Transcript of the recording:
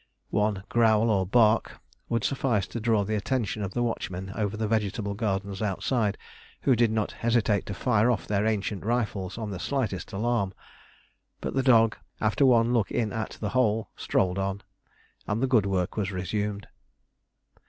One growl or bark would suffice to draw the attention of the watchmen over the vegetable gardens outside, who did not hesitate to fire off their ancient rifles on the slightest alarm; but the dog after one look in at the hole strolled on, and the good work was resumed.